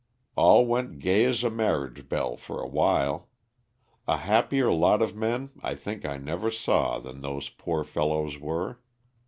All went gay as a marriage bell for awhile. A happier lot of men I think I never saw than those poor fellows were.